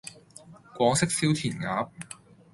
廣式燒填鴨